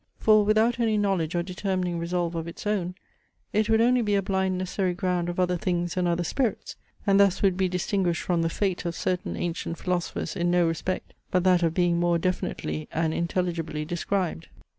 For, without any knowledge or determining resolve of its own, it would only be a blind necessary ground of other things and other spirits; and thus would be distinguished from the FATE of certain ancient philosophers in no respect, but that of being more definitely and intelligibly described."